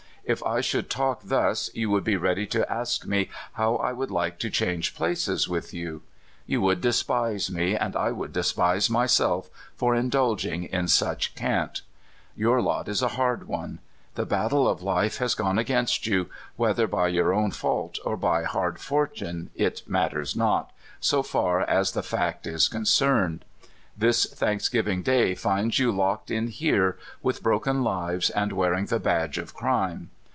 If I should talk thus, you would be ready to ask me how I would like to change places with you. You would despise me, and I would despise myself, for indulging in such cant. Your lot is a hard one. The battle of life has gone against you — whether by your own fault or by hard fortune, it matters not, so far as the fact is 1^2 CALIFORNIA SKETCHES. concerned ; this thanksgiving day finds you locked in here, with broken Hves, and wearing the badge of crime.